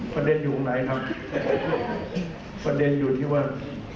ประเด็นอยู่ไหนครับประเด็นอยู่ที่ว่า